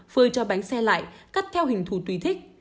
phơi cho bánh xe lại cắt theo hình thù tùy thích